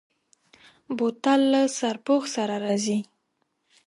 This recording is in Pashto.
بوتل له سرپوښ سره راځي.